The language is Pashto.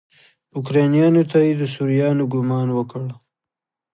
اوکرانیانو ته یې د سوريانو ګمان وکړ.